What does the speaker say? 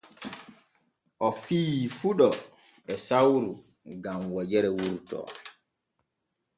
O fiyi fuɗo e sawru gam wojere wurto.